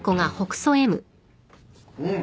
うん。